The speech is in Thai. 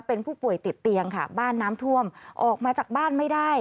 เป็นผู้ป่วยติดเตียงค่ะบ้านน้ำท่วมออกมาจากบ้านไม่ได้